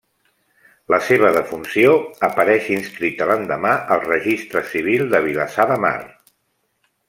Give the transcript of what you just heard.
La seva defunció apareix inscrita l’endemà al registre civil de Vilassar de Mar.